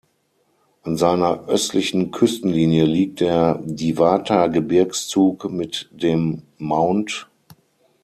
An seiner östlichen Küstenlinie liegt der Diwata-Gebirgszug mit dem Mt.